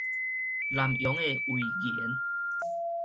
南榕的遺言